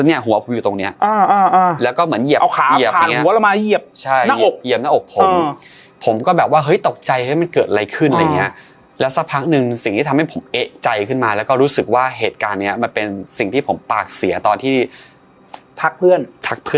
เนี้ยหัวก็อยู่ตรงเนี้ยอ่าอ่าแล้วก็เหมือนเหยียบเหยียบ